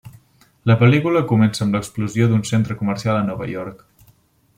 La pel·lícula comença amb l'explosió d'un centre comercial a Nova York.